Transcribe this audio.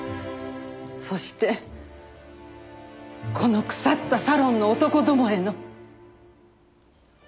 そしてこの腐ったサロンの男どもへの。